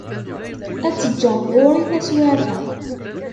Ad tt-ǧǧeɣ ɣur-i taswiεt-a.